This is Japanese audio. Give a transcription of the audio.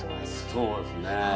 そうですね。